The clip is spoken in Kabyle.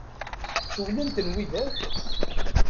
Cewwlen-ten widak?